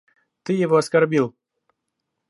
Ты его оскорбил.